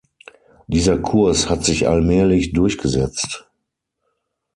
Dieser Kurs hat sich allmählich durchgesetzt.